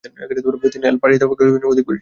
তিনি El Pirata Cofresi নামে অধিক পরিচিত।